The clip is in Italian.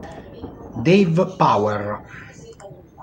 Dave Power